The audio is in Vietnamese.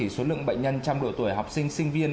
số lượng bệnh nhân trong độ tuổi học sinh sinh viên